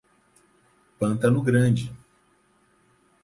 Pantano Grande